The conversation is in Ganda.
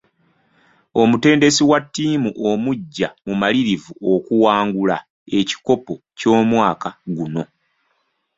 Omutendesi wa ttiimu omuggya mumalirivu okuwangula ekikopo ky'omwaka guno.